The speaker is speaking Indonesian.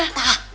epa punggung epa